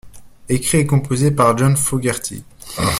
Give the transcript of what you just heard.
Écrits et composés par John Fogerty.